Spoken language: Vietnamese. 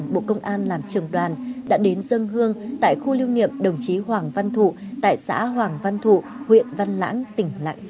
bộ công an đã và đang chủ động khai để xử lý vụ việc này